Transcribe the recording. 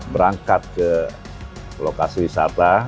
berangkat ke lokasi wisata